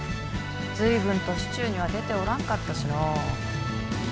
随分と市中には出ておらんかったしの。